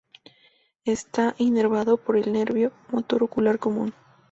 Está inervado por el nervio motor ocular común.